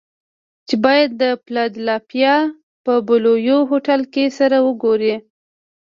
چې بايد د فلادلفيا په بلوويو هوټل کې سره وګوري.